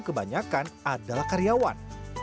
kebanyakan adalah karyawan